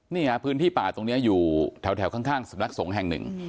เนี่ยพื้นที่ป่าตรงนี้อยู่แถวข้างสำนักสงฆ์แห่งหนึ่ง